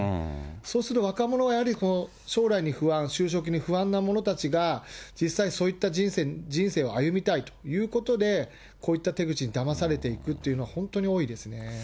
そうすると若者はやはり将来に不安、就職に不安な者たちが、実際、そういった人生を歩みたいということで、こういった手口にだまされていくというのは、本当に多いですね。